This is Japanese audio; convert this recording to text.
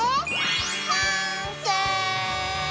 完成！